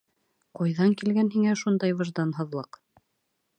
— Ҡайҙан килгән һиңә шундай выжданһыҙлыҡ?